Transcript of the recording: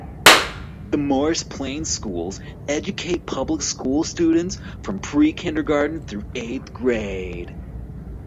The Morris Plains Schools educate public school students from pre-kindergarten through eighth grade.